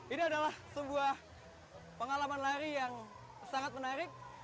ini adalah sebuah pengalaman lari yang sangat menarik